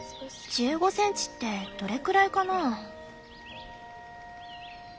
１５センチってどれくらいかなぁ？